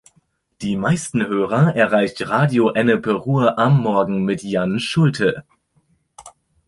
Die meisten Hörer erreicht „Radio Ennepe Ruhr am Morgen“ mit Jan Schulte.